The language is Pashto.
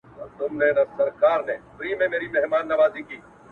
چي په لاره کي د دوی څنګ ته روان یم-